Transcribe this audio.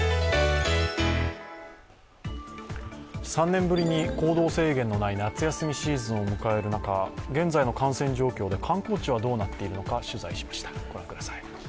３年ぶりに行動制限のない夏休みシーズンを迎える中、現在の感染状況で観光地はどうなっているのか取材しました。